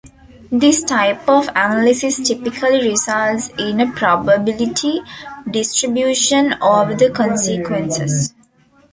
This type of analysis typically results in a probability distribution over the consequences.